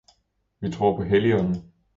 Vi tror på Helligånden